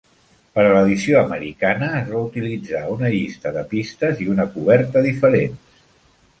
Per a l'edició americana es va utilitzar una llista de pistes i una coberta diferents.